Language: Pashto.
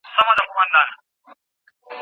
اقتصاد د تولیدي فعالیتونو اهمیت بیانوي.